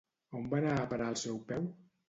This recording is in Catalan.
On va anar a parar el seu peu?